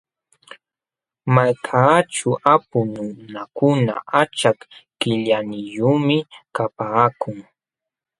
Malkaaćhu apu nunakuna achak qillaniyuqmi kapaakun.